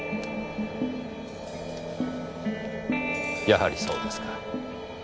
やはりそうですか。